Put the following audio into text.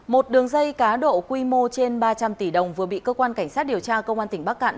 một đường dây cá độ quy mô trên ba trăm linh tỷ đồng vừa bị cơ quan cảnh sát điều tra công an tỉnh bắc cạn